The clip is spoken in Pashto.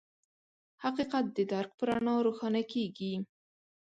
حقیقت د درک په رڼا روښانه کېږي.